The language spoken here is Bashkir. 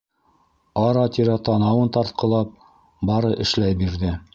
Ара-тирә танауын тартҡылап, бары эшләй бирҙе.